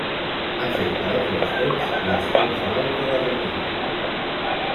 Afecta els bastons i als cons blaus de la retina.